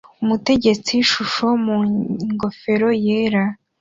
Umutegetsi-shusho mu ngofero yera